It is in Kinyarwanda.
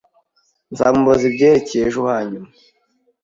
Nzamubaza ibyerekeye ejo, hanyuma.